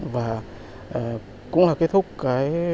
và cũng là kết thúc cái